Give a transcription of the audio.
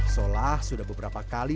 solah sudah beberapa kali